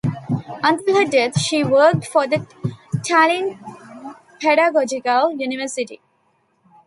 Until her death, she worked for the Tallinn Pedagogical University.